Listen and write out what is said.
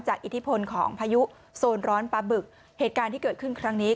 อิทธิพลของพายุโซนร้อนปลาบึกเหตุการณ์ที่เกิดขึ้นครั้งนี้